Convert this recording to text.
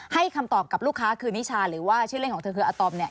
คำตอบกับลูกค้าคือนิชาหรือว่าชื่อเล่นของเธอคืออาตอม